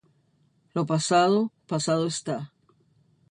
Lo pasado, pasado esta.